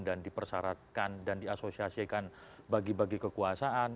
dan dipersyaratkan dan diasosiasikan bagi bagi kekuasaan